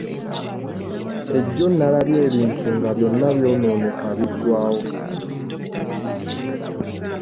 Ejjo nnalabye ebintu nga byonna byonooneka biggwawo.